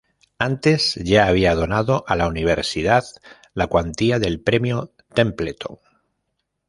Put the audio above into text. Antes ya había donado a la universidad la cuantía del Premio Templeton.